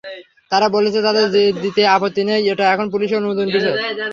তারা বলেছে, তাদের দিতে আপত্তি নেই, এটা এখন পুলিশের অনুমোদনের বিষয়।